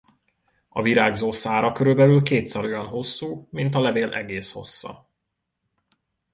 A virágzó szára körülbelül kétszer olyan hosszú mint a levél egész hossza.